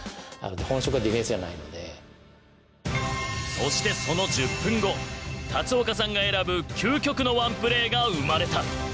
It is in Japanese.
そしてその１０分後龍岡さんが選ぶ究極のワンプレーが生まれた。